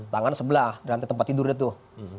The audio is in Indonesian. tangannya sebelah di rantai tempat tidur dia tuh